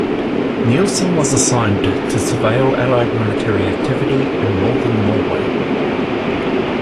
Nilsen was assigned to surveil allied military activity in northern Norway.